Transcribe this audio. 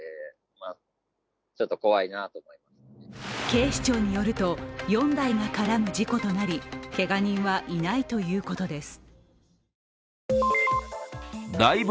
警視庁によると４台が絡む事故となりけが人はいないということです。